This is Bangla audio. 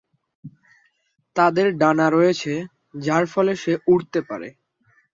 তাদের ডানা রয়েছে যার ফলে সে উড়তে পারে।